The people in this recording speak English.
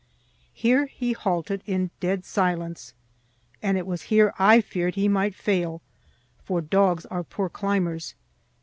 Here he halted in dead silence, and it was here I feared he might fail, for dogs are poor climbers.